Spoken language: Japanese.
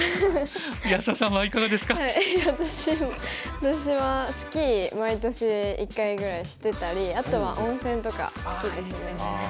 私はスキー毎年１回ぐらいしてたりあとは温泉とか好きですね。